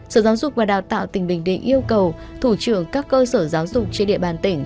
sở giáo dục và đào tạo tỉnh bình định yêu cầu thủ trưởng các cơ sở giáo dục trên địa bàn tỉnh